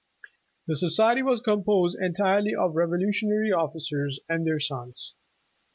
The Society was composed entirely of Revolutionary Officers, and their sons.